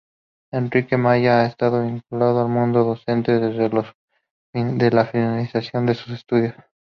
Enrique Maya ha estado vinculado al mundo docente desde la finalización de sus estudios.